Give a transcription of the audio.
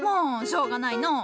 しょうがないのう。